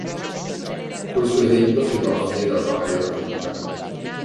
Questo evento segnò la fine della sua carriera politica.